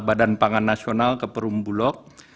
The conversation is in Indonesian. badan pangan nasional ke perumbulok